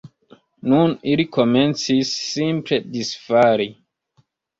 Nun ili komencis simple disfali.